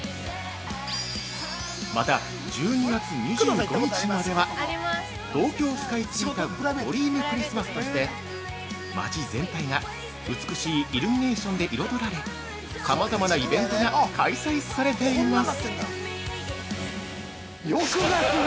また、１２月２５日までは「東京スカイツリータウンドリームクリスマス」としてまち全体が美しいイルミネーションで彩られさまざまなイベントが開催されています。